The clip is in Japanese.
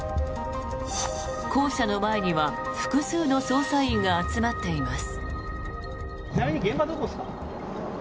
校舎の前には複数の捜査員が集まっています。